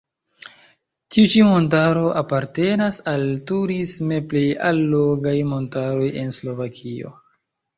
Tiu ĉi montaro apartenas al turisme plej allogaj montaroj en Slovakio.